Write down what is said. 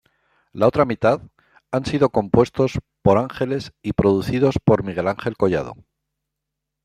La otra mitad han sido compuestos por Ángeles y producidos por Miguel Ángel Collado.